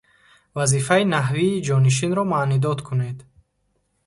Вазифаи наҳвии ҷонишинро маънидод кунед.